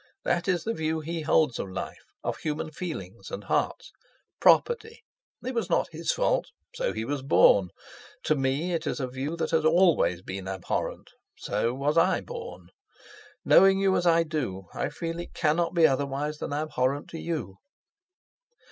That is the view he holds of life—of human feelings and hearts—property. It's not his fault—so was he born. To me it is a view that has always been abhorrent—so was I born! Knowing you as I do, I feel it cannot be otherwise than abhorrent to you.